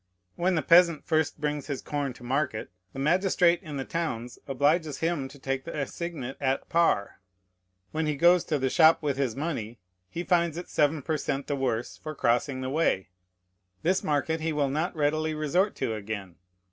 When the peasant first brings his corn to market, the magistrate in the towns obliges him to take the assignat at par; when he goes to the shop with this money, he finds it seven per cent the worse for crossing the way. This market he will not readily resort to again.